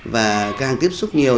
và càng tiếp xúc nhiều